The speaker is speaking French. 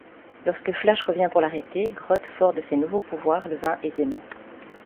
Lorsque Flash revient pour l'arrêter, Grodd, fort de ses nouveaux pouvoirs, le vainc aisément.